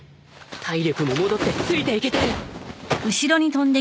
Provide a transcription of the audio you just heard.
体力も戻ってついていけてる！